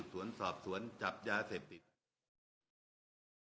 บังค์วิทยาลัยอาศาสตร์ศาสตร์อาปาร์มสิบศวรสอบสวรรค์จับยาเสพ